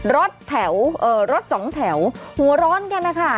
รถแถวรถสองแถวหัวร้อนกันนะคะ